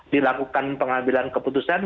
dilakukan pengambilan keputusan